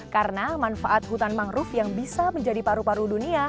karena manfaat hutan mangrove yang bisa menjadi paru paru dunia